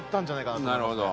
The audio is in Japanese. なるほど。